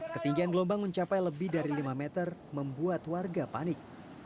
ketinggian gelombang mencapai lebih dari lima meter membuat warga panik